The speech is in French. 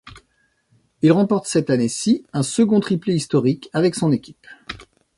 Il remporte cette année-ci un second triplé historique avec son équipe.